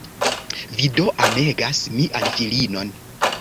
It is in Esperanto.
Vi do amegas mian filinon?